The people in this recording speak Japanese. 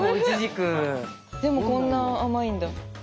でもこんな甘いんだ。